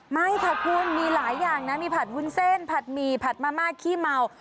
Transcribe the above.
ไม่ค่ะคุณมีหลายอย่างนะมีผัดวุ้นเส้นผัดหมี่ผัดมะม่าขี้เมา